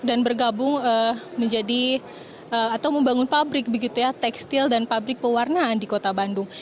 dan bergabung menjadi atau membangun pabrik begitu ya tekstil dan pabrik pewarnaan di kota bandung